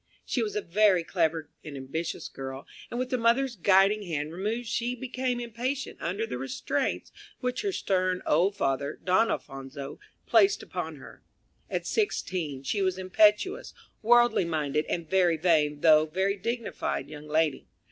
She was a very clever and ambitious girl, and with a mother's guiding hand removed she became impatient under the restraints which her stern old father, Don Alphonso, placed upon her. At sixteen she was an impetuous, worldly minded, and very vain though very dignified young lady.